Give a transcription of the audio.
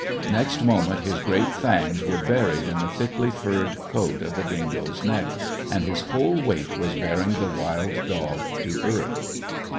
Next moment his great fangs were buried in the thickly furred coat of the dingo's neck, and his whole weight was bearing the wild dog to earth.